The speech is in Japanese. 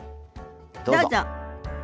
どうぞ。